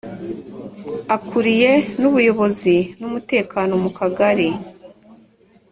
akuriye n’ubuyobozi n’umutekano mu kagari